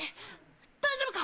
大丈夫か？